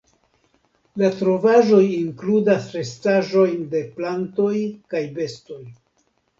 La trovaĵoj inkludas restaĵojn de plantoj kaj bestoj.